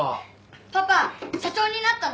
パパ社長になったの？